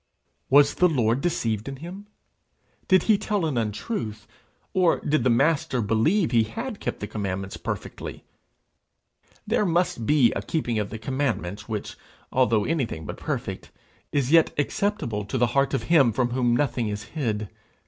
Was the Lord deceived in him? Did he tell an untruth? or did the Master believe he had kept the commandments perfectly? There must be a keeping of the commandments, which, although anything but perfect, is yet acceptable to the heart of him from whom nothing is hid.